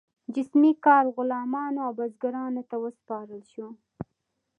جسمي کار غلامانو او بزګرانو ته وسپارل شو.